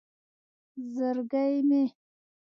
زرگی مې